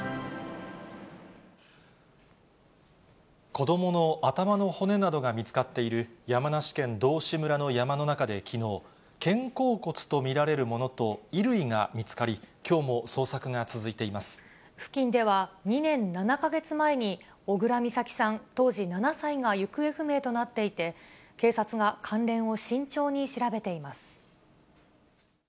子どもの頭の骨などが見つかっている山梨県道志村の山の中できのう、肩甲骨と見られるものと衣類が見つかり、２年７か月前に小倉美咲さん当時７歳が行方不明となっていて、警察が関連を慎重に調べています。